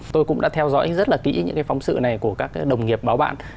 tôi cũng đã theo dõi rất kỹ những phóng sự này của các đồng nghiệp báo bạn